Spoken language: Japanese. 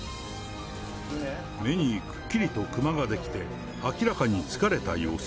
目にくっきりとくまができて、明らかに疲れた様子。